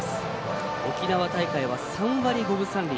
沖縄大会は３割５分３厘。